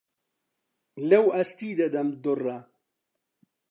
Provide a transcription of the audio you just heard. لەو ئەستی دەدەم دوڕە